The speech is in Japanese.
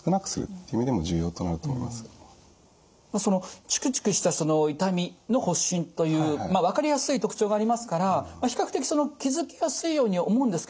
そのチクチクした痛みの発疹という分かりやすい特徴がありますから比較的気付きやすいように思うんですけれどもいかがでしょうか？